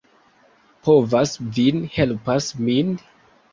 Povas vin helpas min?